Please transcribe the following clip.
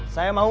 saya juga mau